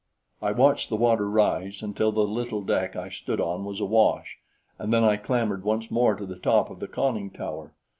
I watched the water rise until the little deck I stood on was awash, and then I clambered once more to the top of the conning tower.